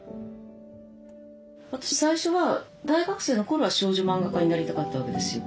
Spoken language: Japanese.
私最初は大学生の頃は少女漫画家になりたかったわけですよ。